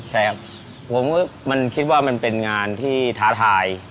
ใช่ครับผมมันคิดว่ามันเป็นงานที่ท้าทาย